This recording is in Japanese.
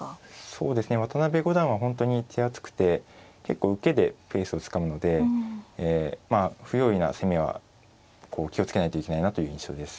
そうですね渡辺五段は本当に手厚くて結構受けでペースをつかむのでまあ不用意な攻めは気を付けないといけないなという印象です。